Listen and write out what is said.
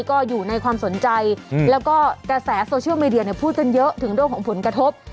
ก็อยู่ในความสนใจแล้วก็กระแสโซเชียลมีเดียพูดกันเยอะถึงเรื่องของผลกระทบ